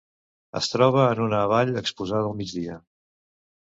Es troba en una vall exposada al migdia.